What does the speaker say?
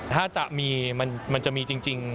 ถ้าจะมีมันจะมีจริง